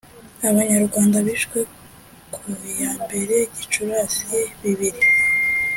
abanyarwanda bishwe kuya yambere gicurasi bibiri